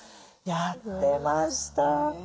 やってました。